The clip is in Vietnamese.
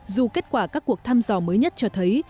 dù kết quả các cuộc thăm dò mới nhất cho thấy